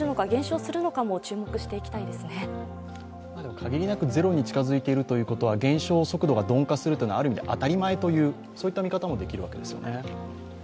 限りなくゼロに近づいているということは減少速度が鈍化するのはある意味、当たり前という、そういった見方もできるわけですね。